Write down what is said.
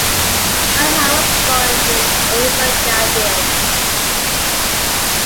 Manhire was born in Invercargill.